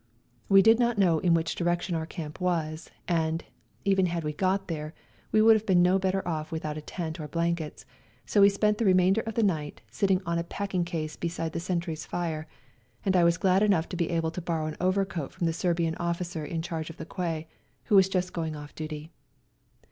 We did not know in which direction our camp was, and, even had we got there, would have been no better off without a tent or blankets; so we spent the remainder of the night sitting on a packing case beside the sentry's fire, and I was glad enough to be able to borrow an overcoat from the Serbian officer in charge of the quay, who was just going off duty.